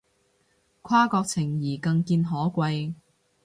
跨國情誼更見可貴